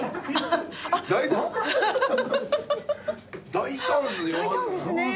大胆ですね。